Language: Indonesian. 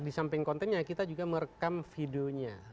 di samping kontennya kita juga merekam videonya